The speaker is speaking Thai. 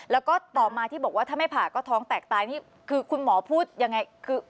แล้วก็ต่อมาที่บอกว่าถ้าไม่ผ่าก็ท้องแตกตายนี่คือคุณหมอพูดยังไงคือ